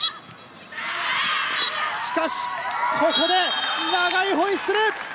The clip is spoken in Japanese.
しかしここで長いホイッスル！